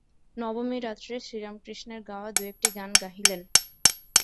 নবমীরাত্রে শ্রীরামকৃষ্ণের গাওয়া দু-একটি গান গাহিলেন।